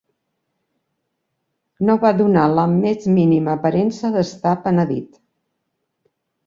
No va donar la més mínima aparença d'estar penedit.